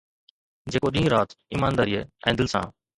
جيڪو ڏينهن رات ايمانداريءَ ۽ دل سان